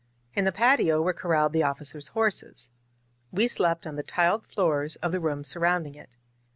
In the patio were corraled the officers' horses. We slept on the tiled floors of the rooms sur rounding it.